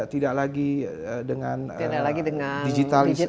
tidak lagi dengan digitalis